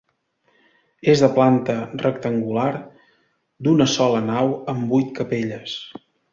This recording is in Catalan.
És de planta rectangular, d'una sola nau amb vuit capelles.